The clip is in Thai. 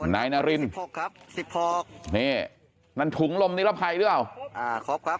นายนารินสิบหกครับสิบหกนี่นั่นถุงลมนิรภัยหรือเปล่าอ่าครบครับ